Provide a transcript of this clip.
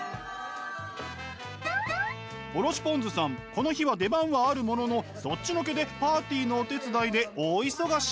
この日は出番はあるもののそっちのけでパーティーのお手伝いで大忙し。